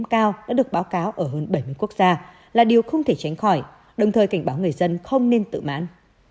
cao đã được báo cáo ở hơn bảy mươi quốc gia là điều không thể tránh khỏi đồng thời cảnh báo người dân không nên tự mãn